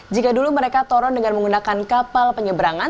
jika dulu mereka turun dengan menggunakan kapal penyeberangan